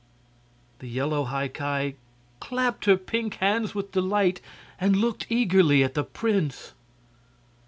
The yellow High Ki clapped her pink hands with delight and looked eagerly at the prince.